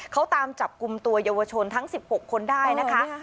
เขาตามจับกลุ่มตัวเยาวชนทั้ง๑๖คนได้นะคะ